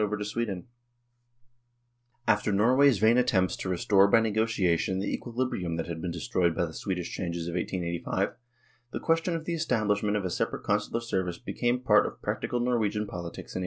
70 NORWAY AND THE UNION WITH SWEDEN After Norway's vain attempts to restore by negoti ation the equilibrium that had been destroyed by the Swedish changes of 1885, the question of the estab lishment of a separate Consular service became part of practical Norwegian politics in 1891.